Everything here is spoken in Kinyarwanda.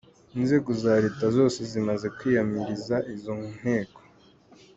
Inzego za leta zose zimaze kwiyamiriza izo nteko.